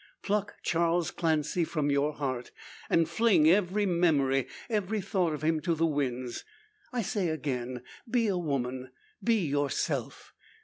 Pluck Charles Clancy from your heart, and fling every memory, every thought of him, to the winds! I say again, be a woman be yourself!